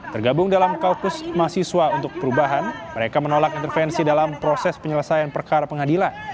tergabung dalam kaukus mahasiswa untuk perubahan mereka menolak intervensi dalam proses penyelesaian perkara pengadilan